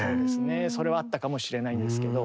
それはあったかもしれないんですけど。